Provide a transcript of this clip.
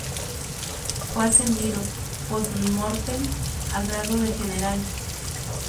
Fue ascendido "post mortem" al grado de general.